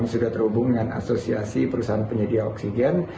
sudah terhubung dengan asosiasi perusahaan penyedia oksigen